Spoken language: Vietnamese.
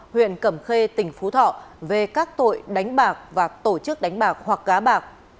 huyện cẩm khê tỉnh phú thọ về các tội đánh bạc và tổ chức đánh bạc hoặc gá bạc